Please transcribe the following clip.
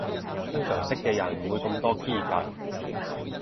通常識嘅人唔會咁多嘰趷